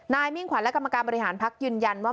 มิ่งขวัญและกรรมการบริหารพักยืนยันว่า